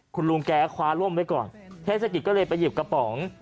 คุณลุงแกคว้าร่มไว้ก่อนเทศกิจก็เลยไปหยิบกระป๋อง